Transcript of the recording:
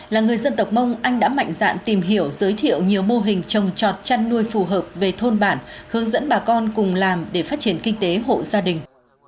là người dân tộc mông anh đã mạnh dạn tìm hiểu giới thiệu nhiều mô hình trồng trọt chăn nuôi phù hợp về thôn bản hướng dẫn bà con cùng làm để phát triển kinh tế hộ gia đình